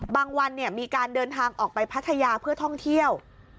วันมีการเดินทางออกไปพัทยาเพื่อท่องเที่ยว